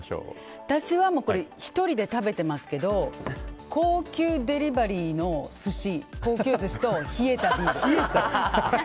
私は、１人で食べてますけど高級デリバリーの高級寿司と冷えたビール。